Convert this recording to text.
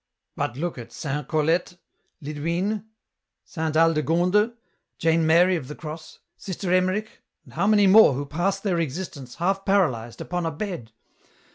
" But look at Saint Colette, Lidwine, Saint Aldegonde, Jane Mary of the Cross, Sister Emmerich and how many more who passed their existence, half paralyzed,[upon a bed